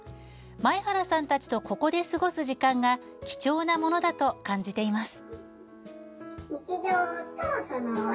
前原さんたちとここで過ごす時間が貴重なものだと感じています。